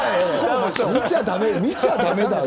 見ちゃだめだよ。